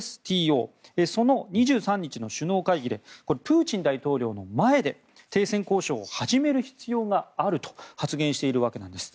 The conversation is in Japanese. その２３日の首脳会議でこれはプーチン大統領の前で停戦交渉を始める必要があると発言しているわけなんです。